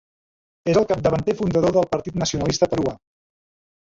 És el capdavanter fundador del Partit Nacionalista Peruà.